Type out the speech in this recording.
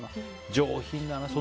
上品だね。